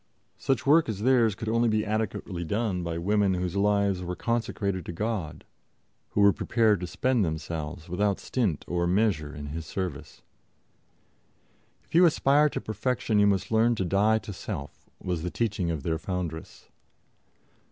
Such work as theirs could only be adequately done by women whose lives were consecrated to God, who were prepared to spend themselves without stint or measure in His service. "If you aspire to perfection, you must learn to die to self" was the teaching of their foundress.